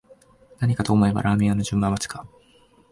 何かと思えばラーメン屋の順番待ちか